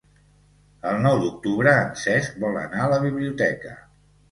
El nou d'octubre en Cesc vol anar a la biblioteca.